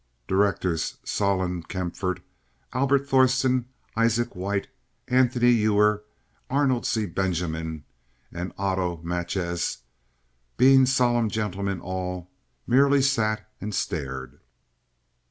Directors Solon Kaempfaert, Albert Thorsen, Isaac White, Anthony Ewer, Arnold C. Benjamin, and Otto Matjes, being solemn gentlemen all, merely sat and stared.